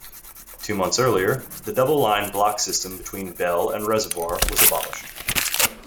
Two months earlier, the double line block system between Bell and Reservoir was abolished.